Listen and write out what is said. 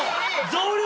増量！